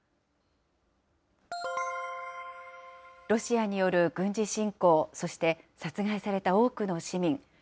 ロシアによる軍事侵攻、そして殺害された多くの市民。